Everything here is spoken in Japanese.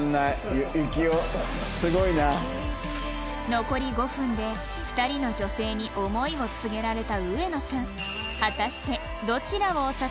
残り５分で２人の女性に思いを告げられた植野さん